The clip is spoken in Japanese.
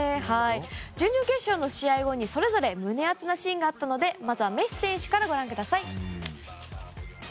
準々決勝の試合後に、それぞれ胸熱なシーンがあったのでまずはメッシ選手からご覧ください。